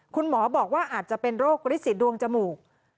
คุณหมอบอกว่าอาจจะเป็นโรคลิสิตดวงจมูก